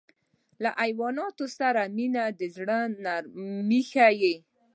له حیواناتو سره مینه د زړه نرمي ښيي.